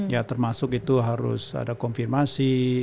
ya termasuk itu harus ada konfirmasi